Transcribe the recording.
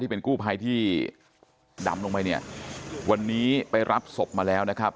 เป็นกู้ภัยที่ดำลงไปเนี่ยวันนี้ไปรับศพมาแล้วนะครับ